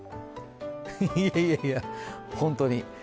いやいや本当に。